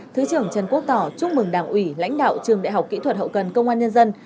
thứ trưởng trần quốc tỏ chúc mừng đảng ủy lãnh đạo trường đại học kỹ thuật hậu cần công an nhân dân